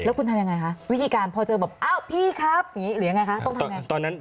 แล้วคุณทำอย่างไรคะวิธีการพอเจอแบบพี่ครับหรืออย่างไรคะต้องทำอย่างไร